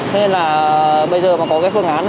thế nên là bây giờ mà có cái phương án